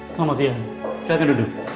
selamat siang silahkan duduk